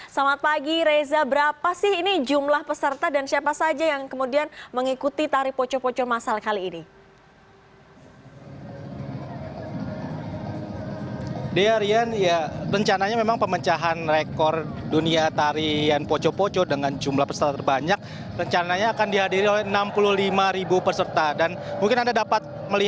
selamat pagi reza berapa sih ini jumlah peserta dan siapa saja yang kemudian mengikuti tarian poco poco masal kali ini